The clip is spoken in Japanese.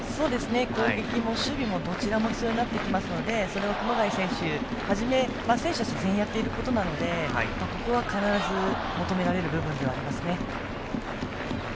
攻撃も守備もどちらも必要になってきますのでそれを熊谷選手をはじめ選手たち全員がやっていることなのでここは必ず求められる部分ではありますね。